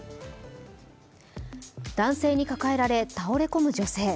男性に抱えられ、倒れ込む女性。